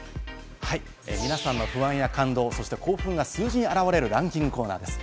皆さんの不安や感動、そして興奮が数字に表れるランキングコーナーです。